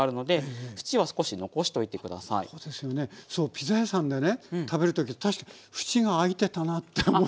ピザ屋さんでね食べる時確か縁が空いてたなって思って。